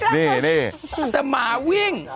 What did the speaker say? แต่หมาวิ่ง